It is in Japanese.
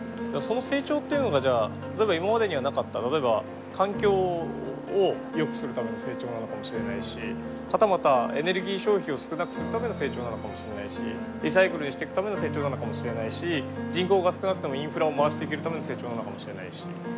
その成長っていうのがじゃあ今までにはなかった例えば環境をよくするための成長なのかもしれないしはたまたエネルギー消費を少なくするための成長なのかもしれないしリサイクルしていくための成長なのかもしれないし人口が少なくてもインフラを回していけるための成長なのかもしれないし。